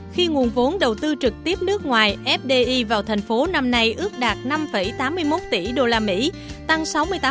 khi nguồn vốn đầu tư trực tiếp nước ngoài fdi vào thành phố năm nay ước đạt năm tám mươi một tỷ usd tăng sáu mươi tám